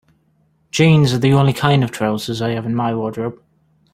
Jeans are the only kind of trousers I have in my wardrobe.